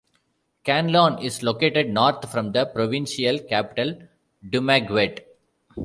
Canlaon is located north from the provincial capital Dumaguete.